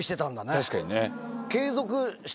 確かにね。